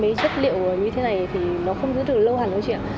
mấy chất liệu như thế này thì nó không giữ được lâu hẳn đâu chị ạ